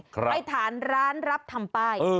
ไปถามร้านรับทำป้าย